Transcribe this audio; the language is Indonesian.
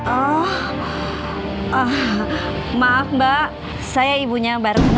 ah ah maaf mbak saya ibunya yang baru nong